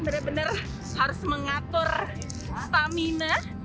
bener bener harus mengatur stamina